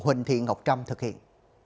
huỳnh thiên ngọc trâm thực hiện